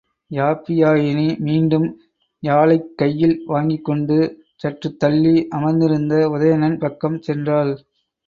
யாப்பியாயினி மீண்டும் யாழைக் கையில் வாங்கிக் கொண்டு சற்றுத் தள்ளி அமர்ந்திருந்த உதயணன் பக்கம் சென்றாள்.